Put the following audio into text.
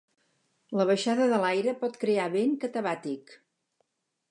La baixada de l'aire pot crear vent catabàtic.